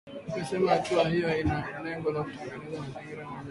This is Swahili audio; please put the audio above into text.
Limesema hatua hiyo ina lengo la kutengeneza mazingira ya majadiliano .